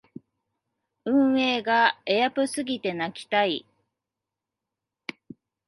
運営がエアプすぎて泣きたい